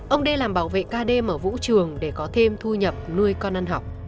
ông đê làm bảo vệ ca đêm ở vũ trường để có thêm thu nhập nuôi con ăn học